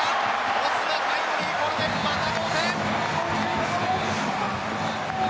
オスナ、タイムリーこれでまた同点。